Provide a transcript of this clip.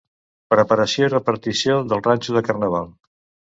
Preparació i repartició del ranxo de carnaval.